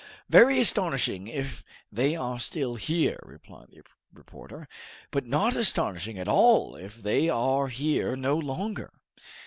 "Very astonishing if they are still here," replied the reporter, "but not astonishing at all if they are here no longer!"